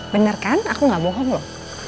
bener kan aku nggak bohong loh